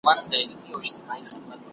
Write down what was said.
آیا ټولنیز علوم یو له بل سره تړلي دي؟